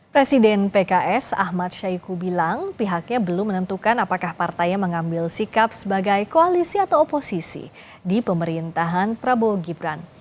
presiden pks ahmad syahiku bilang pihaknya belum menentukan apakah partainya mengambil sikap sebagai koalisi atau oposisi di pemerintahan prabowo gibran